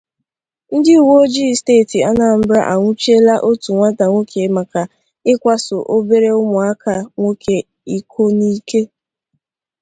ndị uweojii steeti Anambra anwụchiela otu nwata nwoke maka ịkwaso obere ụmụaka nwoke iko n'ike.